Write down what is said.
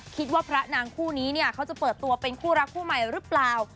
พระนางคู่นี้เนี่ยเขาจะเปิดตัวเป็นคู่รักคู่ใหม่หรือเปล่า